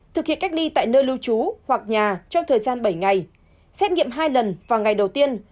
thực hiện cách ly tại nơi lưu trú hoặc nhà trong thời gian bảy ngày xét nghiệm hai lần vào ngày đầu tiên